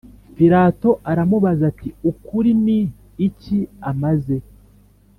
Pilato aramubaza ati Ukuri ni iki Amaze